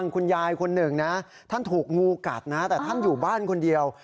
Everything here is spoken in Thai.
คุณยายคนหนึ่งนะท่านถูกงูกัดนะแต่ท่านอยู่บ้านคนเดียว